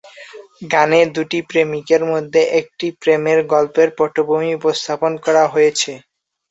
গানে দুটি প্রেমিকের মধ্যে একটি প্রেমের গল্পের পটভূমি উপস্থাপন করা হয়েছে।